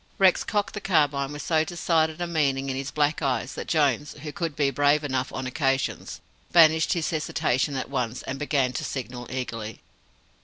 Rex cocked the carbine with so decided a meaning in his black eyes that Jones who could be brave enough on occasions banished his hesitation at once, and began to signal eagerly.